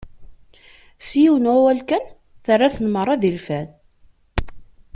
S yiwen wawal kan, terra-ten merra d ilfan.